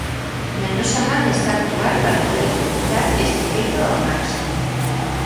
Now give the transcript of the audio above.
Na nosa man está actuar para poder optimizar este feito ao máximo.